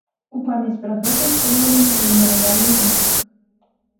У памяць пра гэта ўстаноўлены мемарыяльны знак.